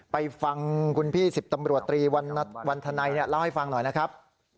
ไปฟังคุณพี่๑๐ตำรวจตรีวันธนัยเล่าให้ฟังหน่อยนะครับ